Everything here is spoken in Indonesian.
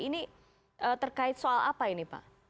ini terkait soal apa ini pak